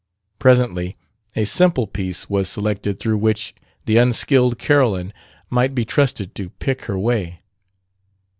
Presently a simple piece was selected through which the unskilled Carolyn might be trusted to pick her way.